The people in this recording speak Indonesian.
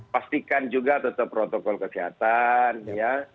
pastikan juga tetap protokol kesehatan ya